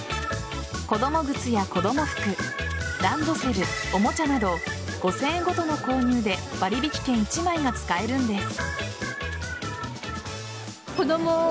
子供靴や子供服ランドセル、おもちゃなど５０００円ごとの購入で割引券１枚が使えるんです。